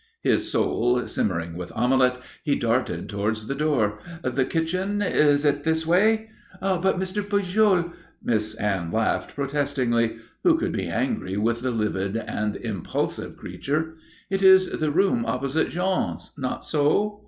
His soul simmering with omelette, he darted towards the door. "The kitchen it is this way?" "But, Mr. Pujol !" Miss Anne laughed, protestingly. Who could be angry with the vivid and impulsive creature? "It is the room opposite Jean's not so?"